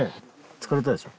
疲れたでしょ？